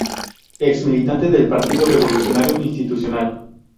Ex militante del Partido Revolucionario Institucional.